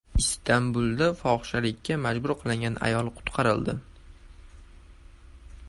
Istanbulda fohishalikka majbur qilingan ayol qutqarildi